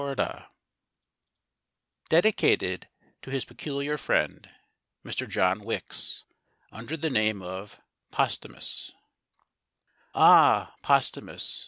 HIS AGE: DEDICATED TO HIS PECULIAR FRIEND, MR JOHN WICKES, UNDER THE NAME OF POSTUMUS Ah, Posthumus!